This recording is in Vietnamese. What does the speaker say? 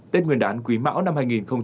tết nguyên đán quý mão năm hai nghìn hai mươi